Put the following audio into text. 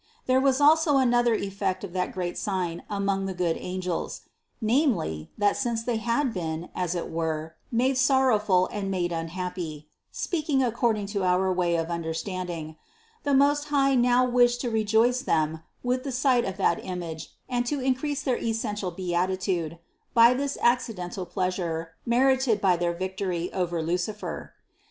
There was also another effect of that great sign among the good angels; namely, that since they had been, as it were, made sorrowful and made unhappy (speaking according to our way of understanding) the Most High now wished to rejoice them with the sight of that image and to increase their essential beatitude by this accidental pleasure merited by their victory over Lucifer.